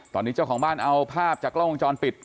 ตอนนี้เจ้าของบ้านเอาภาพจากกล้องวงจรปิด